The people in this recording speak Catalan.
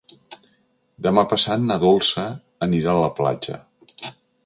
Demà passat na Dolça anirà a la platja.